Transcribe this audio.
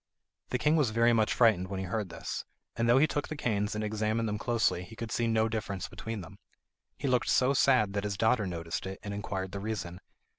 The king was very much frightened when he heard this, and though he took the canes and examined them closely, he could see no difference between them. He looked so sad that his daughter noticed it, and inquired the reason.